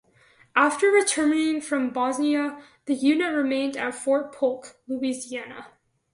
After returning from Bosnia, the unit remained at Fort Polk, Louisiana.